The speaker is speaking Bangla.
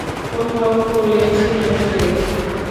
কোথায় করিয়েছিলেন টেস্ট?